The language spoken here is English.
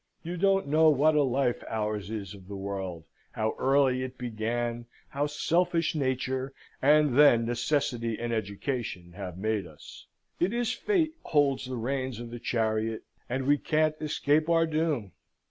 You don't know what a life ours is of the world; how early it began; how selfish Nature, and then necessity and education, have made us. It is Fate holds the reins of the chariot, and we can't escape our doom.